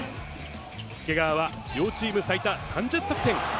介川は両チーム最多３０得点。